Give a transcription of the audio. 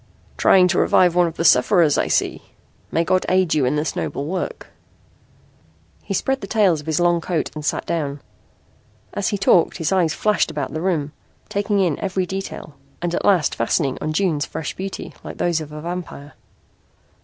"Trying to revive one of the sufferers, I see. May God aid you in this noble work." He spread the tails of his long coat and sat down. As he talked his eyes flashed about the room, taking in every detail and at last fastening on June's fresh beauty like those of a vampire.